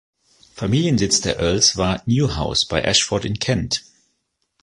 Familiensitz der Earls war "Newhouse" bei Ashford in Kent.